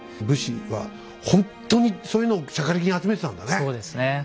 武士はほんとにそういうのをしゃかりきに集めてたんだね。